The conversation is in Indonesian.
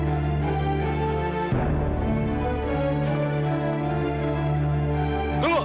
airnya bersihin dong